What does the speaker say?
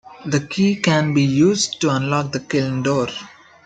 The key can then be used to unlock the kiln door.